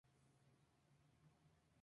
Florece y fructifica de abril a junio.